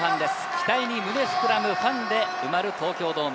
期待に胸膨らむファンで埋まる東京ドーム。